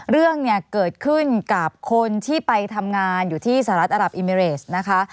เรื่องเนี่ยเกิดขึ้นกับคนที่ไปทำงานอยู่ที่สหรัฐอรับอิมิเรสนะคะ